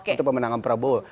itu pemenangan prabowo